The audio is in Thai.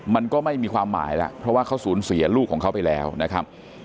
มันก็ไม่มีความหมายแล้วเพราะว่าเขาสูญเสียลูกของเขาไปแล้วนะครับ